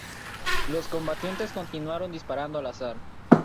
Los combatientes continuaron disparando al azar.